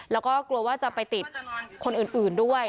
แล้วก็กลัวว่าจะไปติดคนอื่นด้วย